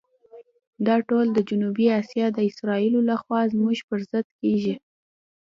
دا ټول د جنوبي آسیا د اسرائیلو لخوا زموږ پر ضد کېږي.